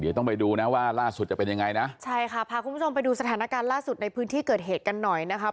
เดี๋ยวต้องไปดูนะว่าล่าสุดจะเป็นยังไงนะใช่ค่ะพาคุณผู้ชมไปดูสถานการณ์ล่าสุดในพื้นที่เกิดเหตุกันหน่อยนะคะ